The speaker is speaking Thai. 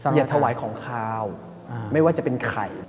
อย่าถวายของขาวไม่ว่าจะเป็นไข่